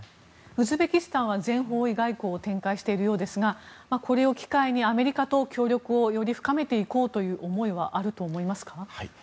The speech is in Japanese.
ウズベキスタンは全方位外交を展開しているようですがこれを機会にアメリカと協力をより深めていこうという思いはあると思いますか？